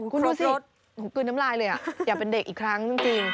คุณดูสิกลืนน้ำลายเลยอยากเป็นเด็กอีกครั้งจริง